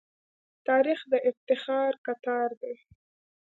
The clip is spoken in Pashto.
تاریخ د افتخارو کتار دی.